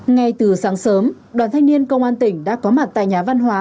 ngay từ sáng sớm đoàn thanh niên công an tỉnh đã có mặt tại nhà văn hóa